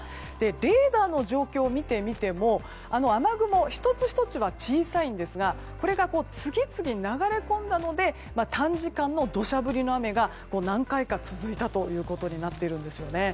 レーダーの状況を見てみても雨雲１つ１つは小さいんですがこれが次々に流れ込んだので短時間の土砂降りの雨が何回か続いたということになっているんですよね。